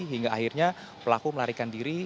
hingga akhirnya pelaku melarikan diri